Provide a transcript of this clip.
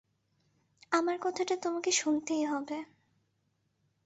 আমার কথাটা তোমাকে শুনতেই হবে।